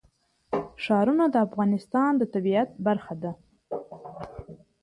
ښارونه د افغانستان د طبیعت برخه ده.